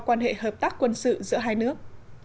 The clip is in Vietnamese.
quan hệ hợp tác quân sự giữa hai nước